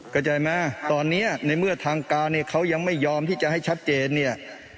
เข้าใจไหมตอนนี้ในเมื่อทางการเนี่ยเขายังไม่ยอมที่จะให้ชัดเจนเนี่ย